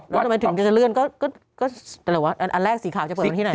แล้วทำไมถึงจะเลื่อนก็แต่ว่าอันแรกสีขาวจะเปิดวันที่ไหน